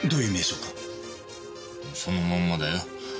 そのまんまだよ。